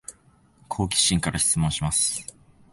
好奇心から質問します